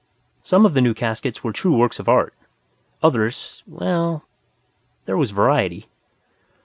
Some of the new caskets were true works of art. Others well, there was variety.